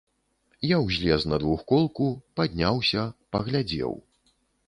Я ўзлез на двухколку, падняўся, паглядзеў.